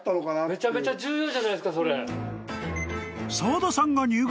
めちゃめちゃ重要じゃないですか。